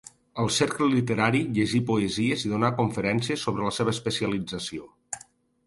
Al Cercle Literari llegí poesies i donà conferències sobre la seva especialització.